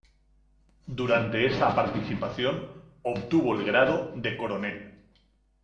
Durante esa participación obtuvo el grado de coronel.